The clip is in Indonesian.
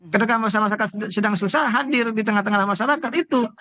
ketika masyarakat sedang susah hadir di tengah tengah masyarakat itu